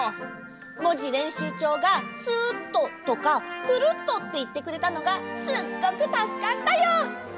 もじれんしゅうチョウが「スット」とか「クルット」っていってくれたのがすっごくたすかったよ！